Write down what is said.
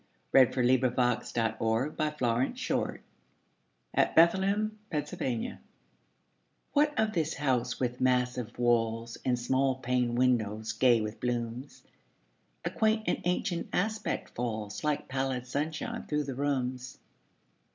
Sarah Orne Jewett The Widow's House (At Bethlehem, Pennsylvania) WHAT of this house with massive walls And small paned windows, gay with blooms? A quaint and ancient aspect falls Like pallid sunshine through the rooms.